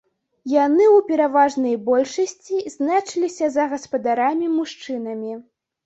Яны ў пераважнай большасці значыліся за гаспадарамі-мужчынамі.